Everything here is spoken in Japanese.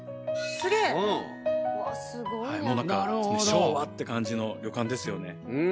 なんか昭和って感じの旅館ですよね。